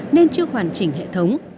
nên chưa hoàn chỉnh hệ thống